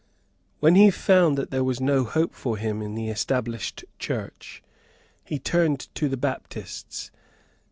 When he found that there was no hope for him in the Established Church, he turned to the Baptists.